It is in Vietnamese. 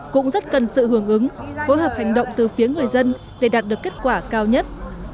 cũng rất cần sự hưởng ứng phối hợp hành động từ phía người dân để đạt được kết quả cao nhất